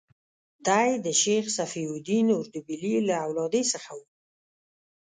دی د شیخ صفي الدین اردبیلي له اولادې څخه و.